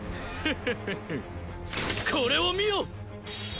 フフフフこれを見よ！